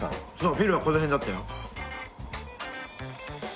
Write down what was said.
フィルはこの辺だったよ。